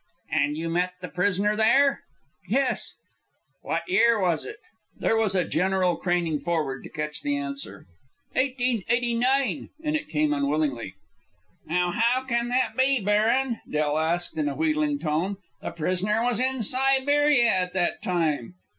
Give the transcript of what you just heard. "And you met the prisoner there?" "Yes." "What year was it?" There was a general craning forward to catch the answer. "1889," and it came unwillingly. "Now, how can that be, baron?" Del asked in a wheedling tone. "The prisoner was in Siberia at that time."